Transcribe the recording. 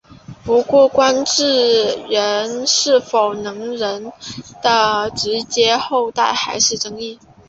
不过有关智人是否能人的直接后代还有争议。